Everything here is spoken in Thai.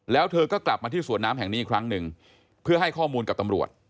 แล้วเธอก็กลับมาที่สวนน้ำแห่งนี้อีกครั้งหนึ่งเพื่อให้ข้อมูลกับตำรวจ